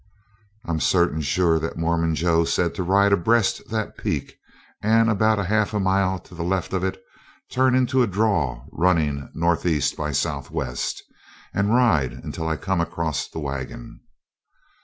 "I'm certain sure that Mormon Joe said to ride abreast that peak and about a half mile to the left of it turn in to a 'draw' runnin' northeast by southwest, and ride until I come acrost the wagon."